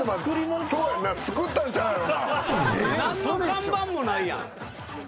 何の看板もないやん。